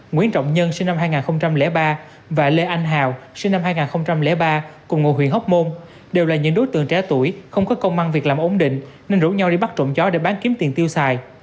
nguyễn trọng nhân sinh năm hai nghìn ba và lê anh hào sinh năm hai nghìn ba cùng ngụ huyện hóc môn đều là những đối tượng trẻ tuổi không có công an việc làm ổn định nên rủ nhau đi bắt trộm chó để bán kiếm tiền tiêu xài